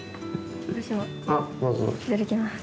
私もいただきます